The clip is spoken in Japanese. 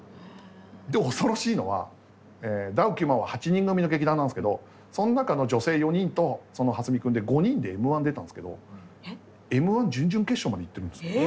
恐ろしいのは「ダウ９００００」は８人組の劇団なんですけどその中の女性４人と見くんで５人で「Ｍ−１」出たんですけど「Ｍ−１」準々決勝まで行ってるんです。